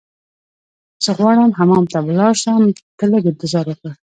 زه غواړم حمام ته ولاړ شم، ته لږ انتظار وکړه.